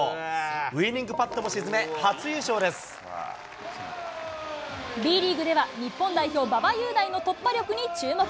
ウイニングパットも沈め、初優勝Ｂリーグでは、日本代表、馬場雄大の突破力に注目。